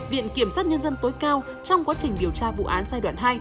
viện kiểm sát nhân dân tối cao trong quá trình điều tra vụ án giai đoạn hai